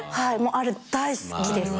あれ大好きです。